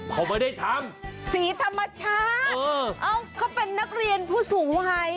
เขาไม่ได้ทำสีธรรมชาติเขาเป็นนักเรียนผู้สูงวัย